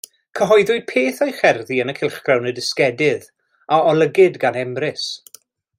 Cyhoeddwyd peth o'i cherddi yn y cylchgrawn Y Dysgedydd a olygid gan Emrys.